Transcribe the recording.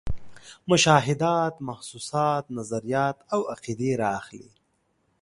مشاهدات، محسوسات، نظریات او عقیدې را اخلي.